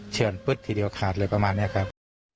เฉือนปุ๊บทีเดียวขาดเลยประมาณนี้ครับ